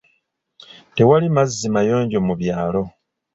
Tewali mazzi mayonjo mu byalo.